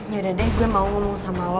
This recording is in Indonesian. yaudah deh gue mau ngomong sama lo